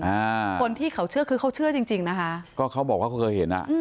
อ่าคนที่เขาเชื่อคือเขาเชื่อจริงจริงนะคะก็เขาบอกว่าเขาเคยเห็นอ่ะอืม